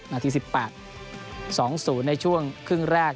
นาธิสิบแปด๒๐ในช่วงครึ่งแรก